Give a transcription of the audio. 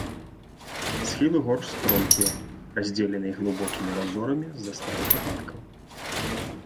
Схілы гор стромкія, раздзеленыя глыбокімі разорамі з-за сталых ападкаў.